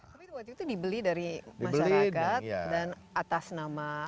tapi waktu itu dibeli dari masyarakat dan atas nama